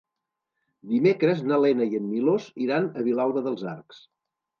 Dimecres na Lena i en Milos iran a Vilalba dels Arcs.